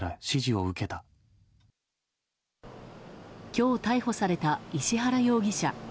今日、逮捕された石原容疑者。